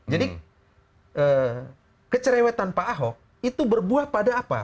jadi kecerewetan pak ahok itu berbuah pada apa